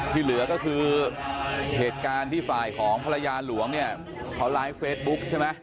ที่เหลือก็คือเหตุการณ์ที่ฝ่ายของภรรยาหลวงเนี่ยเขาไลฟ์เฟซบุ๊คใช่ไหม